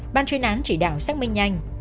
ban chuyên án chỉ đạo xác minh nhanh